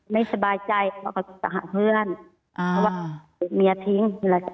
ไม่สบายใจเขาก็จะหาเพื่อนเพราะว่าเมียทิ้ง